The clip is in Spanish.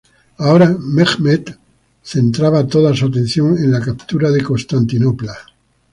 Ahora Mehmet centraba toda su atención en la captura de Constantinopla.